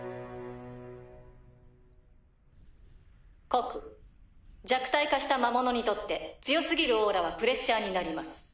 告弱体化した魔物にとって強過ぎるオーラはプレッシャーになります。